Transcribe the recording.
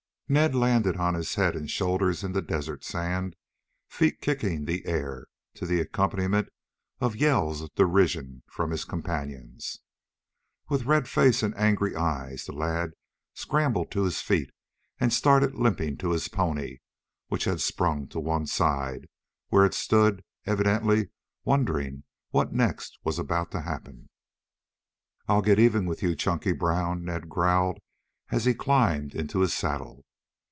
Ned landed on his head and shoulders in the desert sand, feet kicking the air, to the accompaniment of yells of derision from his companions. With red face and angry eyes, the lad scrambled to his feet and started limping to his pony, which had sprung to one side, where it stood, evidently wondering what next was about to happen. "I'll get even with you, Chunky Brown," Ned growled, as he climbed into his saddle.